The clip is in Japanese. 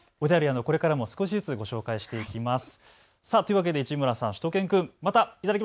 お便り、これからも少しずつご紹介していきます。